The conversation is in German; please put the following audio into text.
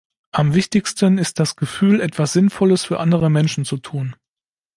Am wichtigsten ist das Gefühl, etwas Sinnvolles für andere Menschen zu tun.